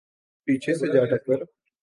پیچھے سے جا ٹکر